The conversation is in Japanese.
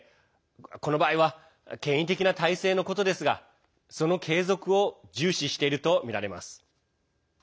この場合は権威的な体制のことですがその継続を重視しているとみられます。